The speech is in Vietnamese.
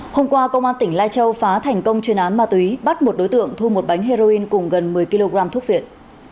hôm qua công an tỉnh lai châu phá thành công chuyên án ma túy bắt một đối tượng thu một bánh heroin cùng gần một mươi kg thuốc viện